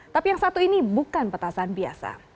tapi yang satu ini bukan petasan biasa